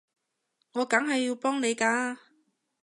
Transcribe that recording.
我梗係要幫你㗎